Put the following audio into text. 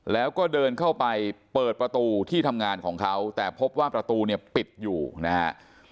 แล้วก็เดินเข้าไปเปิดประตูที่ทำงานของเขาแต่พบว่าประตูเนี่ยปิดอยู่นะฮะ